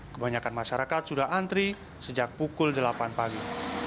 kebanyakan masyarakat sudah antri sejak pukul delapan pagi